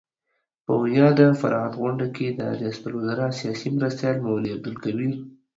په یاده فراغت غونډه کې د ریاست الوزراء سیاسي مرستیال مولوي عبدالکبیر